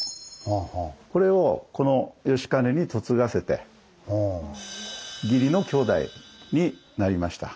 これをこの義兼に嫁がせて義理の兄弟になりました。